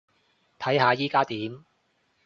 睇下依加點